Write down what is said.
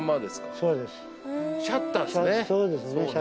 そうですね。